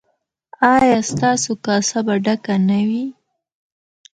ایا ستاسو کاسه به ډکه نه وي؟